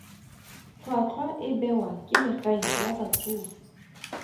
Tlhwatlhwa e bewa ke legae la batsofe.